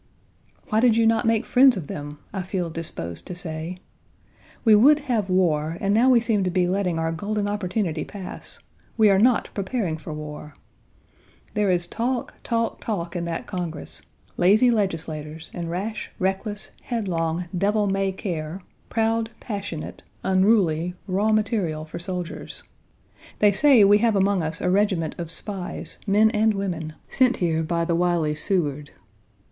"Why did you not make friends of them," I feel disposed to say. We would have war, and now we seem to be letting our golden opportunity pass; we are not preparing for war. There is talk, talk, talk in that Congress lazy legislators, and rash, reckless, headlong, devil may care, proud, passionate, unruly, raw material for soldiers. They say we have among us a regiment of spies, men and women, sent here by the wily Seward.